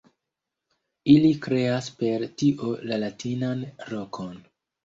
Ili kreas per tio la latinan rokon.